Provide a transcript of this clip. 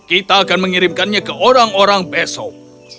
kita akan mengirimkannya ke orang orang besok